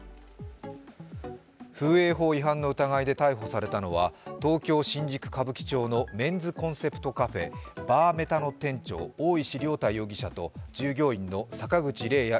風営法違反の疑いで逮捕されたのは東京・新宿歌舞伎町のメンズコンセプトカフェ、ＢＡＲＭＥＴＡの店長大石涼太容疑者と従業員の坂口怜也